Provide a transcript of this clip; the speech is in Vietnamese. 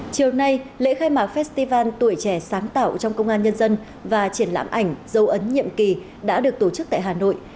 chiều nay lễ khai mạc festival tuổi trẻ sáng tạo trong công an nhân dân và triển lãm ảnh dấu ấn nhiệm kỳ đã được tổ chức tại hà nội